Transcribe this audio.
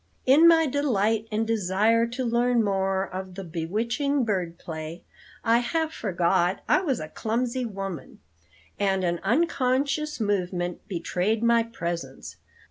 "In my delight and desire to learn more of the bewitching bird play, I half forgot I was a clumsy woman, and an unconscious movement betrayed my presence.